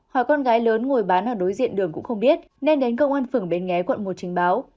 hai con gái lớn ngồi bán ở đối diện đường cũng không biết nên đến công an phường bến nghé quận một trình báo